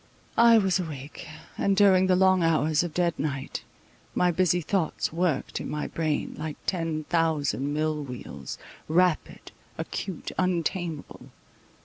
I was awake, and during the long hours of dead night, my busy thoughts worked in my brain, like ten thousand mill wheels, rapid, acute, untameable.